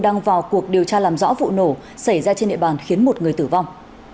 đang vào cuộc điều tra làm rõ vụ nổ xảy ra trên địa bàn khiến một người tử vong